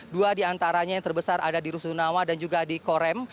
dua diantaranya yang terbesar ada di rusunawa dan juga di korem